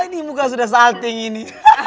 oh ini muka sudah salting ini